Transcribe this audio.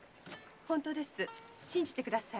本当です信じてください。